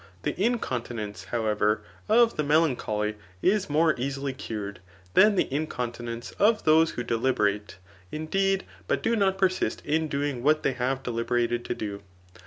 ] The incoo* tinence, however, of the melancholy, is more easily ciured, than the incontinence of those who deliberate, indeed, but do not persist in doing what they have deliberated to' do.